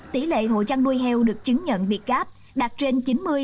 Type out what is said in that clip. tỷ lệ hộ trăn nuôi heo được chứng nhận việt gáp đạt trên chín mươi chín mươi năm